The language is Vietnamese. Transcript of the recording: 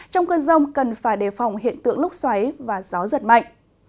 trong cơn rông cần phải đề phòng hiện tượng lúc xoáy và gió giật mạnh